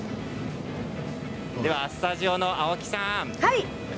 では、スタジオの青木さん